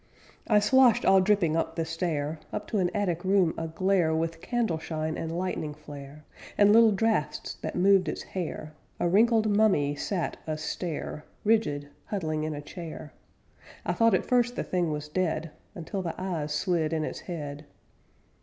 I sloshed all dripping up the stair, Up to an attic room a glare With candle shine and lightning flare With little draughts that moved its hair A wrinkled mummy sat a stare, Rigid, huddling in a chair. I thought at first the thing was dead Until the eyes slid in its head.